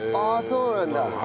そうなんだ。